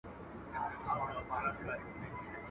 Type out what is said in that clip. o خداى دي داغسي بنده درواچوي، لکه ماته چي دي راواچول.